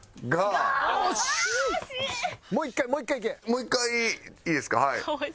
もう１回いいですか？